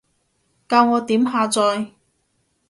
教我點下載？